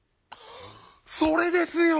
それですよ！